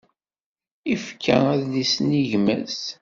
Yefka adlis-nni i gma-s.